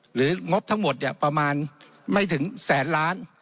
หรืองบทั้งหมดประมาณไม่ถึงแสนล้าน